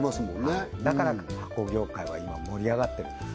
はいだから箱業界は今盛り上がってるんです